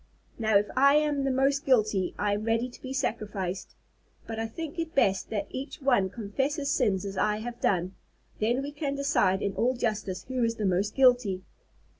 "Now, if I am the most guilty, I am ready to be sacrificed. But I think it best that each one confess his sins as I have done. Then we can decide in all justice who is the most guilty."